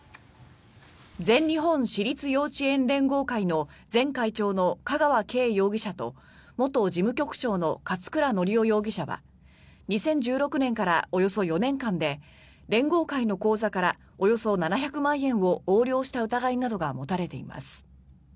全日本私立幼稚園連合会の前会長の香川敬容疑者と元事務局長の勝倉教雄容疑者は２０１６年からおよそ４年間で連合会の口座からおよそ７００万円を横領した疑いなどが持たれています。